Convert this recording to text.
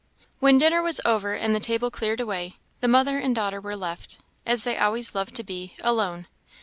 When dinner was over and the table cleared away, the mother and daughter were left, as they always loved to be, alone.